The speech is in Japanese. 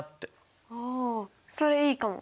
おおそれいいかも。